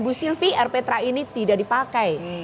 bu sylvie rptra ini tidak dipakai